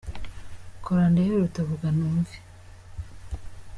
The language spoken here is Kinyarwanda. Kora ndebe iruta vuga numve.